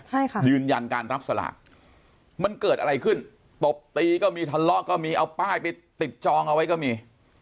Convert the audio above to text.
ใช่ค่ะยืนยันการรับสลากมันเกิดอะไรขึ้นตบตีก็มีทะเลาะก็มีเอาป้ายไปติดจองเอาไว้ก็มี